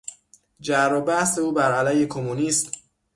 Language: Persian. جر و بحث او بر علیه کمونیسم